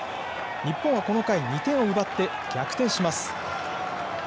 日本はこの回２点を奪って逆転します。